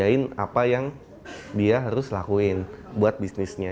langsung kerjain apa yang dia harus lakuin buat bisnisnya